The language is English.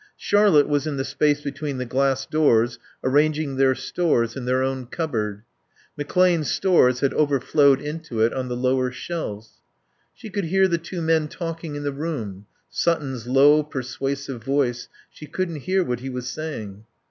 Charlotte was in the space between the glass doors, arranging their stores in their own cupboard. McClane's stores had overflowed into it on the lower shelves. She could hear the two men talking in the room, Sutton's low, persuasive voice; she couldn't hear what he was saying.